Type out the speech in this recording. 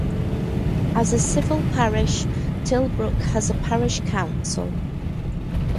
As a civil parish, Tilbrook has a parish council.